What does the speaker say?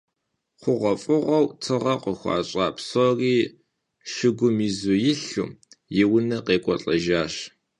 ХъугъуэфӀыгъуэу тыгъэ къыхуащӀа псори шыгум изу илъу, и унэ къекӀуэлӀэжащ.